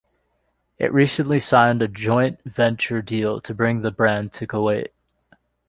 It recently signed a joint venture deal to bring the brand to Kuwait.